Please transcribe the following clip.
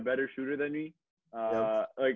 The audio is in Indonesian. lebih baik dari aku